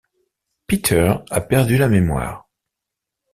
Peter a perdu la mémoire.